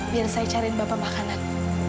biar saya cariin bapak makanan